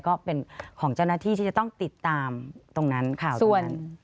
ก็เป็นของเจ้าหน้าที่ที่จะต้องติดตามตรงนั้นค่ะส่วน